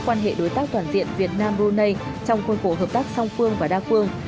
quan hệ đối tác toàn diện việt nam brunei trong khuôn khổ hợp tác song phương và đa phương